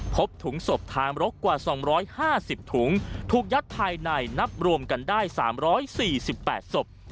พบถุงศพทางรกกว่า๒๕๐ถุงถูกยัดภายในนับรวมกันได้๓๔๘ศพ